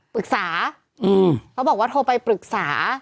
ปรึกษาเขาบอกว่าโทรไปปรึกษา